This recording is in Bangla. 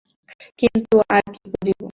কিন্তু আর কী করিব?